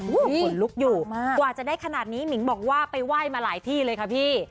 โอ้โหขนลุกอยู่กว่าจะได้ขนาดนี้หมิงบอกว่าไปไหว้มาหลายที่เลยค่ะพี่